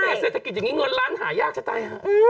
เศรษฐกิจอย่างนี้เงินล้านหายากจะตายฮะ